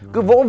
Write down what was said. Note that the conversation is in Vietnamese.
cứ vỗ vỗ